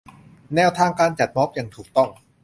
แนวทางการจัดม็อบอย่างถูกต้อง